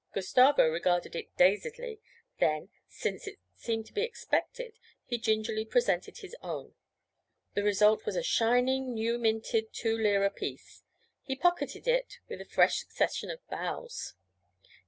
Gustavo regarded it dazedly; then, since it seemed to be expected, he gingerly presented his own. The result was a shining newly minted two lire piece. He pocketed it with a fresh succession of bows.